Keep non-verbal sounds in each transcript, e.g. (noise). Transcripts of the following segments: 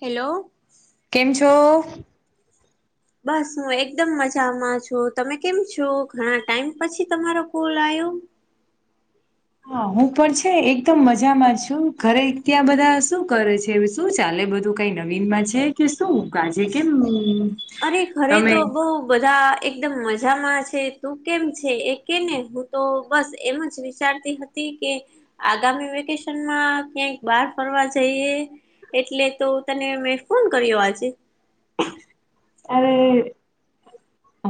Hello. કેમ છો? બસ હું એકદમ મજામાં છું તમે કેમ છો ઘણા ટાઈમ પછી તમારો કોલ આયો. હા હું પણ છે એકદમ મજામાં છું ઘરે ત્યાં બધા શું કરે છે. શું ચાલે બધું કઈ નવીનમાં છે કે શું આજે કેમ અરે ઘરે તમે તો બઉ બધા એકદમ મજામાં છે તું કેમ છે એ કે ને હું તો બસ એમ જ વિચારતી હતી કે આગામી વેકેશનમાં ક્યાંક બહાર ફરવા જઈએ. એટલે તો તને મેં ફોન કર્યો આજે અરે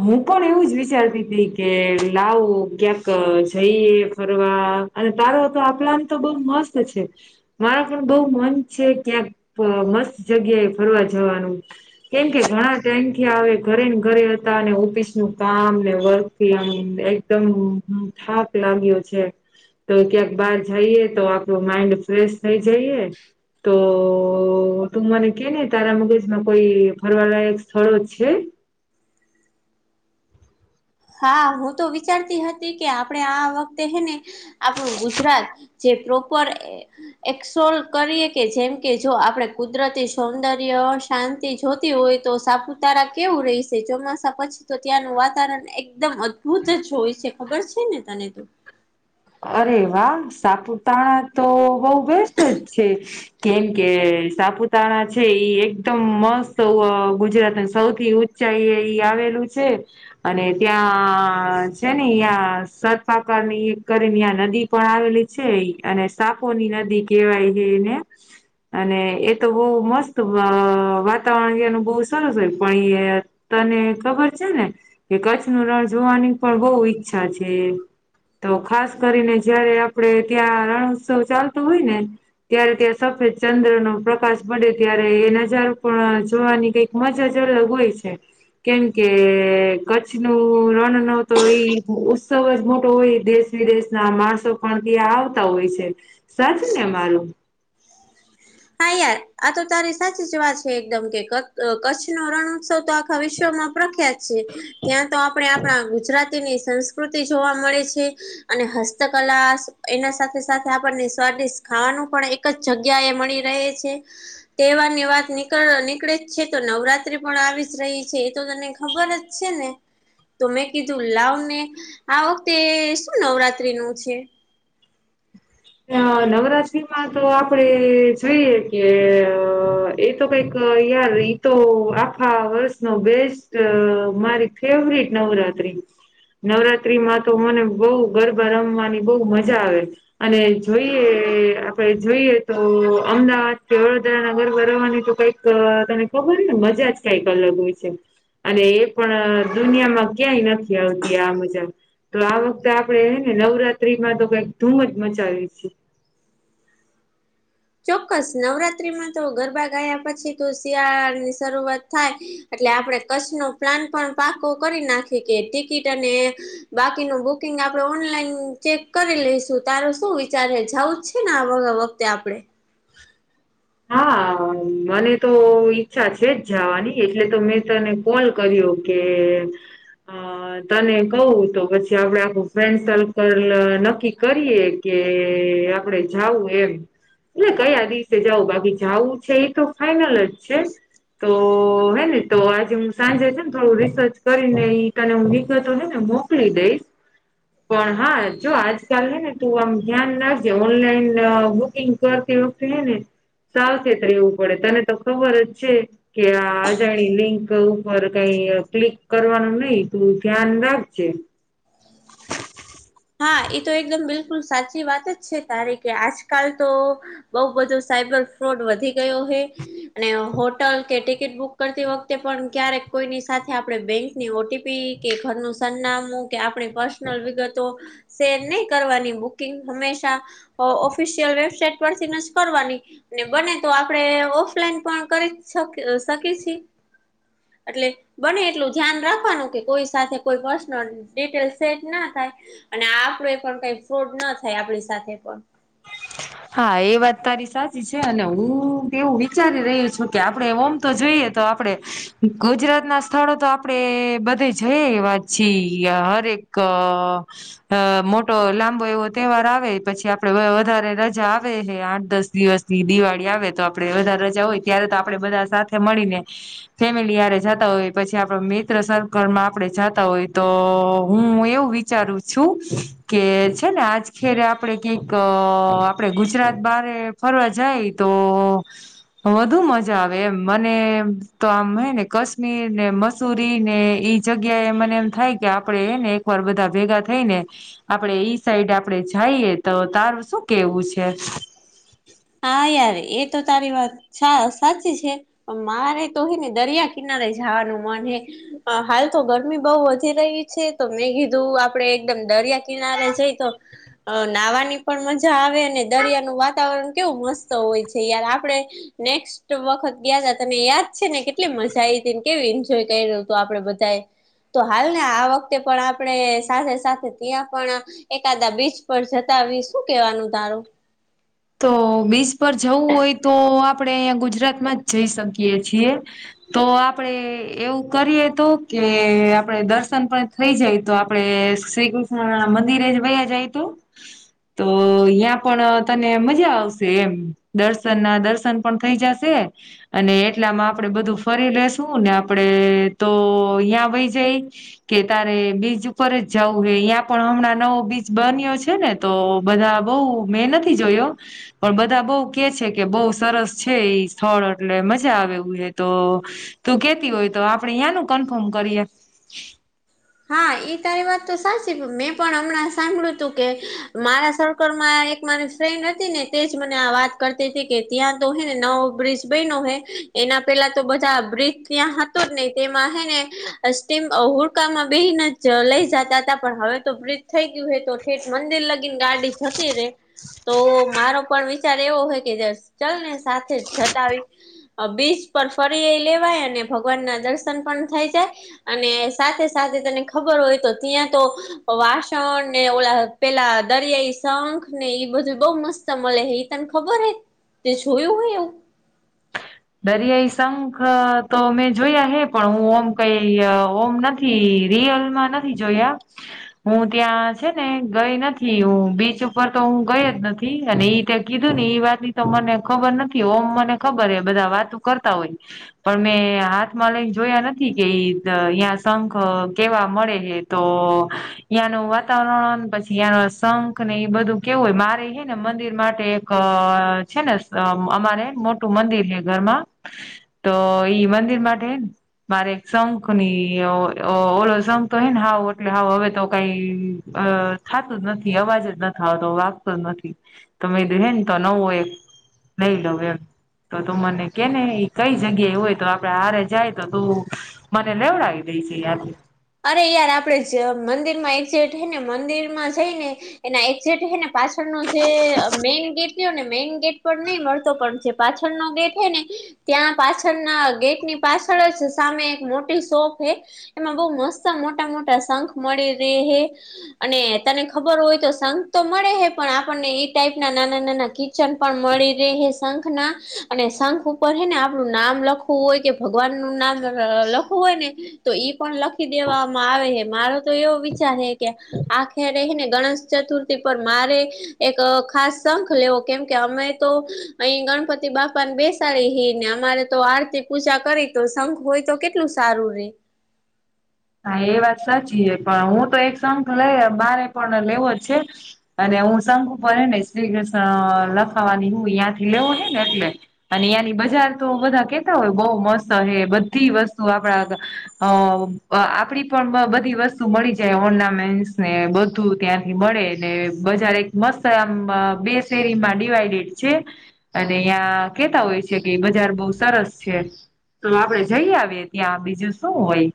હું પણ એવું જ વિચારતી તી કે લાવો ક્યાંક જઈએ ફરવા અને તારો તો આપલામ તો બઉ મસ્ત છે મારા પણ બહુ મન છે ક્યાંક મસ્ત જગ્યાએ ફરવા જવાનું કેમ કે ઘણા ટાઈમ થી આવે ઘરે ને ઘરે ઓફિસ નું કામ ને વર્ક આમ એકદમ થાક લાગ્યો છે તો ક્યાંક બાર જઈએ તો આપણ માઈન્ડ ફ્રેશ થઈ જઈએ તો તું મને કે ને તારા મગજમાં કોઈ ફરવાલાયક સ્થળો જ છે હા હું તો વિચારતી હતી કે આપણે આ વખતે હેને આપણું ગુજરાત જે પ્રોપર એક્સોલ કરીએ કે જેમ કે જો આપણેે કુદરતી સૌંદર્ય શાંતિ જોતી હોય તો સાપુતારા કેવું રહીશે ચોમાસા પછી તો ત્યાંનું વાતાવરણ એકદમ અદ્ભુત જ હોય છે ખબર છે ને તને તો અરે વાહ સાપુતારા તો બહુ બેસ્ટ જ છે કેમ કે સાપુતારણા છે એકદમ મસ્ત ગુજરાતને સૌથી આવેલું છે અને ત્યાં છે ને અં સતપાક ની કરીને આ નદી પણ આવેલી છે અને સાપોની નદી કેવાય હ એને અને એ તો બહુ મસ્ત વાતાવરણનું બહુ સરસ હોય પણ એ તને ખબર છે ને કે કચ્છ ન રણ જોવાની પણ બહુ ઈચ્છા છે તો ખાસ કરીને જયારે આપડે ત્યાં રણોત્સવ ચાલતું હોય ને ત્યારે ત્યાં સફેદ ચંદ્ર નો પ્રકાશ પડે ત્યારે એ નજારો પણ જોવાની કઈક મજ હજ લગ હોય છે કેમકે કચ્છ ન રણ ન તો ઈ ઉત્સવ જ મોટો હોય દેશ વિદેશ ના માણસો પણ ત્યાં આવતા હોય છે સાચ ને માલું હા યાર આ તો તારી સાચી જ વાત છે એકદમ કે કચ્છ નો રણોત્સવ તો ભવિષ્યમાં પ્રખ્યાત છે ત્યાં તો આપણે આપણા ગુજરાતીની સંસ્કૃતિ જોવા મળે છે અને હસ્તકલા એના સાથે સાથે આપણને સ્વાદિષ્ટ ખાવાનું પણ એક જ જગ્યા એ મળી રહે છે તહેવાર ની વાત નીકળ નીકળે જ છે તો નવરાત્રી પણ આવી જ રહી છે એ તો તને ખબર જ છે ને તો મેં કીધું લાવ ને આ વખતે શું નવરાત્રી નું છે નવરાત્રીમાં તો આપડે જોઈએ કે એ તો કઈક યાર તો આા વર્ષ નોબેસ્ટ મારી ફેવરીટ નવરાત્રી નવરાત્રી માં તો મને બહુ ગરબા રમવાની બહુ મજા આવે છે અને જોઈએ આપણે જોઈએ તો અમદાવાદ કે વડોદરા નગર બરવવાની તો કઈક અ તને ખબર હો ને મજા જ કઈક અલગ હોય છે અને એ પણ દુનિયામાં ક્યાંય નથી આવતી આ મુજબ તો આ વખતે આપડે ને નવરાત્રીમાં તો કઈક ધૂમ જ મચાવી છીએ ચોક્કસ નવરાત્રીમાં તો ગરબા ગાયા પછી તો શિયાળા ની શરૂઆત થાય એટલે આપણે કચ્છનો પ્લાન પણ પાકો કરી નાખી કે ટિકિટ અને બાકીનું બુકિંગ આપડણે ઓનલાઈન ચેક કરી લઈશું તારો શું વિચાર જઉું જ છે ને આ તે આપણે હ હા મને તો ઈચ્છા છે જ જવાની એટલે તો મેં તને. કોલ કર્યો કે. અ તને કવ તો પછી આપડે આખું ફ્રેન્ડ સર્કલ નક્કી કરીએ. કે આપડે જઉું એમ. એટલે કયા દિવસે જવું બાકી જવું છે એ તો ફાાઈનલ જ છે. તો હે ને તો આજે હું સાંજે છે ને થોડું રિસર્ચ કરીને તને હું નીકળતો હ ને. (unintelligible) પણ હા જો આજકાલ હ ને તું આમ ધ્યાન રાખજે ઓનલાઈન બુકિંગ તીવ ને સાવચેત રહેવું પડે તને તો ખબર જ છે. કે આ અજાણી લિંક ઉપર કઈ ક્લિક કરવાનું નહી તું ધ્યાન રાખજે. હા એ તો એકદમ બિલકુલ સાચી વાત જ છે તારે કે આજકાલ તો બઉ બધું સાયબર ફ્રોડ વધી ગયો હે. અને હોટલ કે ટિકિટ બુક કરતી વખતે પણ ક્યારેક કોઈની સાથે આપે બેંકની ઓટીપી કે ઘરનું સરનામું કે આપણી પર્સનલ વિગત શેર નહી કરવાની બુકિંગ હંમેશા ઓફિશિયલ વેબસાઇટ પર થીજ કરવાની. બને તો આપણેે ઓફલાઈન પણ કરી શકીએ છીએ. એટલે બને એટલું ધ્યાન રાખવાનું કે કોઈ સાથે કોઈ પર્સનલ ડિટેલ સેટ ના થાય. અને આપડ એ પણ કઈ ફ્રોડ ન થાય આપણી સાથે પણ. (unintelligible) હા એ વાત તારી સાચી છે અને હું એવું વિચારી રહહી છું કે આપડે ઓમ તો જોઈએ તો આપડે ગુજરાત ના સ્થળો તો આપડે બધે જઈ વા છીએ હરેક. અ મોટો લાંબો એવો તહેવાર આવે પછી આપણે વધારે રજા આવે હ આઠ દસ દિવસની દિવાળી આવે તો આપણે વધારે રજા હોય ત્યારે તો આપણે બધા સાથે મળીને ફેમિલીરે જતા હોય પછી આપડ મિત્ર સર્કલમાં આપે જતા હોય તો હું એવું વિ વિચારું છું કે છે ને આજ ખેરે આપડે કક આપડે ગુજરાત બારે ફરવા જાય તો વધુ મજા આવે એમ મને તો આમ હને કાશ્મીર નેસ્ સુુરી ને ઈ જગ્યા એ મને એમ થાય કે આપડે એ ને એકવાર બધા ભેગા થઈ ને આપડે ઈ સાઈડ આપડે જઈએ તો તાર શું કેવું છે? હા યાર એ તો તારી વાત હા સાચી છે મારે તો હે ને દરિયા કિનારે જવાનું મન હે. હાલ તો ગરમી બહુ વધી રહી છે તો મેં કીધું આપડે એકદમ દરિયા કિનારે જઈ તો! અ નાહવાની પણ મજા આવે અને દરિયાનું વાતાવરણ કેવું મસ્ત હોય છે. યાર આપડે નેક્સ્ટ વખત ગયા ત તને યાદ છે ને કેટલી મજા આવી હતીને કેવીું એન્જોય કરી રહ્યું હતું આપડે બધાએ. તો હાલ ને આ વખતે પણ આપણે સાથે સાથે ત્યાં પણ એકાદા બીચ પર જતા આવી શું કેવાનું તારું? તો બીચ પર જવું હોય તો આપણેે અહીંયા ગુજરાતમાં જ જઈ શકીએ છીએ. તો આપડે એવું કરીએ તો કે આપડે દર્શન પણ થઈ જાય તો આપડણે શ્રી કૃષ્ણ મંદિરે જ વયા જાય તો? તો આયિયા પણ તને મજા આવશે એમ દર્શન ના દર્શન પણ થઈ જશે. અને એટલામાં આપડે બધું ફરી લસું ને આપડે તો અહીં વહી જાય. કે તારે બીચ ઉપર જ જવું હ અ્યાં પણ હમણાં નવો બીચ બન્યો છે ને. તો બધા બઉ મેં નથી જોયો. પણ બધા બઉ કે છે કે બહુ સરસ છે એ સ્થળ એટલે મજા આવેવું છે તો. તું કેતી હોય તો આપડે યાંનું કન્ફર્મ કરીએ. હા એ તારી વાત તો સાચી મેં પણ હમણાં સાંભળ્યું તું કે મારા સર્કલ માં એક મારી ફ્રેન્ડ હતી ને તેજ મને આ વાત કરતી તી કે ત્યાં તો હે ને નવો બ્રિજ બયનો હે એના પેલા તો બધા બ્રિજ ત્યાં હતો જ નઈ તેમાં હે ને અસ્ટીમ હુંરકામાં બેને જ લઈ જતા હતા પણ હવે તો બ્રિજ થઈ ગયું હ તો ઠેઠ મંદિર લગીને ગાડી જતી રે. તો મારો પણ વિચાર એવો હે કે જે ચલ ને સાથે જતા આવી. બીચ પર ફરી એ લેવાય અને ભગવાન ના દર્શન પણ થઈ જાય. અને સાથે સાથે તને ખબર હોય તો ત્યાં તો વાસણ ને ઓ પેલા દરિયાઈ સંખ ને એ બધું બઉ મસ્ત મલે હે ઈ તન ખબર હે તે જોયું હે એવું દરિયાઈ શંખ તો મેં જોયા હે પણ હું ઓમ કઈ ઓમ નથી નથી રિયલમાં નથી જોયા હું ત્યાં છે ને ગઈ નથી હું બીચ ઉપર તો હું ગઈ જ નથી અને ઈ કીધું ને ઈ વાત ની તો મને ખબર નથી ઓમ મને ખબર હે બધા વાતો કરતા હોય પણ મેં હાથમાં લઈને જોયા નથી કે ઈ યા શંખ કેવા મળે હે તો યાનું વાતાવરણ પછી યાના શંખ ને એ બધું કેવું હોય મારે ને મંદિર માટે એક છે ને અમારે મોટું મંદિર હે ઘરમાં તો ઈ મંદિર માટે ને મારે એક શંખ ની ઓલો શંખ તો હે ને હાવ એટલે હાવ હવે તો કઈ અ થાતું જ નથી અવાજ જ નથ આવતો વાગતો નથી તોમે (unintelligible) હે ને તો નવો એક લઈ લવ એમ તો મને કેને એ કઈ જગ્યાએ એ હોય તો આપડે હારે જાય તો તું મને લેવડાવી દયજે યાંથી અરે યાર જ આપડે મંદિર માં એજેટ થઈ ને મંદિરમાં જઈને એના એકઝેટ હે ને પાછળનો જે મેન ગેટ રહ્યો ને મેઈન ગેટ પર નહી મળતો પણ પાછળ નો ગેટ હોય ને ત્યાં પાછળ ના ગેટની પાછળ જ સામે એક મોટી શોપ હે એમાં બઉ મસ્ત મોટા મોટા શંખ મળી રેહે અને તને ખબર હોય તો શંખ તો મળે હે પણ આપણને એ ટાઈપ ના નાના નાના કી (unintelligible) પણ મળી રહે શખ ના અને શંખ ઉપર હે ને આપણું નામ લખ લું હોય કે ભગવાન નું નામ લખવું હોય ને તો ઈ પણ લખ દેવામાં આવે હે મારો તો એવો વિચાર હે કે આખે રહીને ગણેશ ચતુર્થી પર મારે એક ખાસ શંખ લેવો કેમકે અમે તો અહી ગણપતિ બાપા ને બેસાડીે હી ને અમારે તો આરતી પૂજા કરી તો શઘ હોય તો કેટલું સારું રે હા એ વાત સાચી હે પણ હું તો એક શઁખ લઈ માંરે પણ લેવો જ છે અને હું શંખ ઉપર હે ને શ્રી કૃષ્ણ લખાવાની હું યાં થી લેવું હે ને એટલે અને યાંની બજાર તો બધા કેતા હોય બહુ મસ્ત હે બધી વસ્તુ આપણા અ આપડી પણ બધી વસ્તુ મળી જાય ઓર્નામેન્ટસ ને બધું ત્યાંથી મળે ને બજાર મસ્ત આમ બે શેરીમાં ડિવાઈડેડ છે અને અ્યાં કેતા હોય છે કે બજાર બહુ સરસ છે તો આપડે જઈ આવીએ ત્યાં બીજું શું હોય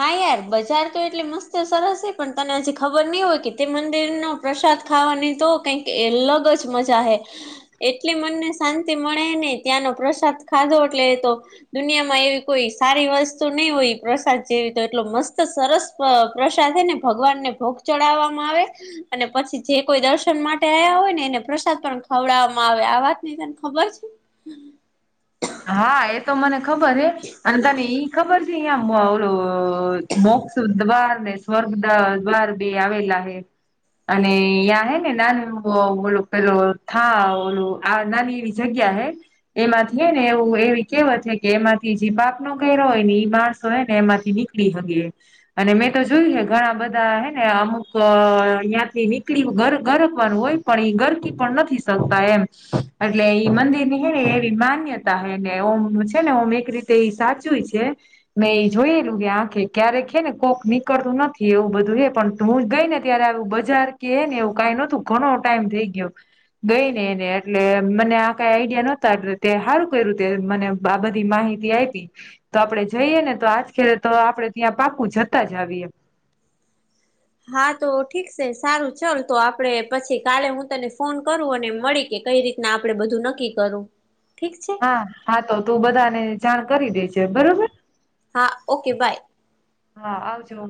હા યાર બજાર તો એટલે મસ્ત સરસ હે પણ તને હજી ખબર નહી હોય કે તે મંદિર નો પ્રસાદ ખાવાની તો કઈક અલગ જ મજા હે એટલી મનને શાંતિ મળે નહ ત્યાંનો પ્રસાદ ખાધો એટલે એ તો દુનિયામાં એવી કોઈ સારી વસ્તુ નહી હોય પ્રસાદ જેવી તો એટલો મસ્ત સરસ પ્રસાદ હે ને ભગવાન ને ભોગ ચડાવવામાં આવે અને પછી જે કોઈ દર્શન માટે આયા હોય ને એને પ્રસાદ પણ ખવડાવવામાં આવે આ વાત ની તને ખબર છે (inaudible) હા એ તો મને ખબર હે અને તને એઈ ખબર છે અહં ઓું મોક્ષ દ્વાર ને સ્વર્ગ દ્વાર બે આવેલા હે અને એ હ ને ના ઓલો પેલો થા ઓલું આ નાની એવી જગ્યા હૈ એમાંથી ને એવું એવી કેહેવત છે કે એમાંથી જે પાક નો ઘર હોય ને એ માણસો હોય ને એમાંથી નીકળી હગ અને મેં તો જોયું હ ઘણા બધા હે ને અમુક અયાંથી નીકળી ગરકવાનું હોય પણ ગરકી પણ નથી શકતા એમ એટલે ઈ મંદિરની હે એવી માન્યતા ને ઓમનું છે ને ઓમ એક રીતે એ સાચું છે મેં એ જોયેલું કે આંખે ક્યારેક છે ને કોક નીકળતું નથી એવું બધું છે પણ હું જ ગઈ ને ત્યારે આવું બજાર કહે ને એવું કઈ નોતું ઘણો ટાઈમ થઈ ગયો ગઈ ને એને એટલે મને આ કઈ આઈડિયા નહોતા એટલે તે હારું કર્યું ત્યારે મને બાબતની બધી માહિતી આયપી. તો આપડણે જઈએ ને તો આજ કરીએ તો આપડણે ત્યાં પાકું જતા જ આવીએ. હા, તો ઠીક છે સારું ચલ તો આપણેે પછી કાલે હું તને ફોન કરું અને મળીયે કઈ રીત ના આપડે બધું નક્કી કરું. ઠીક છે? હા, હા તો તું બધાને જાણ કરી દેજે બરોબર. હા, ઓકે બાય. હા, આવજો.